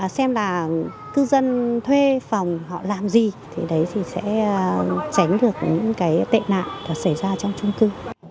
xem là cư dân thuê phòng họ làm gì thì đấy thì sẽ tránh được những cái tệ nạn xảy ra trong trung cư